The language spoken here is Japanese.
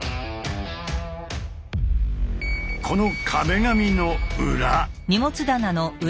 この壁紙の裏！